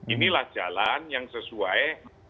inilah jalan yang sesuai